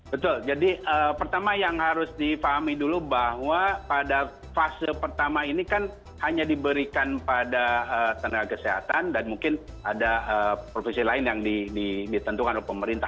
betul jadi pertama yang harus difahami dulu bahwa pada fase pertama ini kan hanya diberikan pada tenaga kesehatan dan mungkin ada profesi lain yang ditentukan oleh pemerintah